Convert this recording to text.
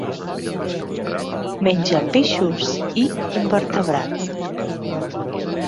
Menja peixos i invertebrats.